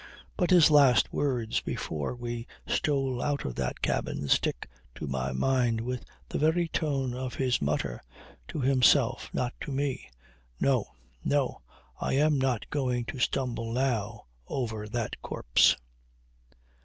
But his last words before we stole out that cabin stick to my mind with the very tone of his mutter to himself, not to me: "No! No! I am not going to stumble now over that corpse."